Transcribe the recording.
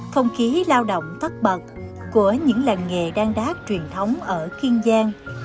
không khí lao động tắt bật của những làng nghề đan đác truyền thống ở kiên giang